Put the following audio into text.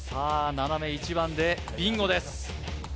斜め１番でビンゴです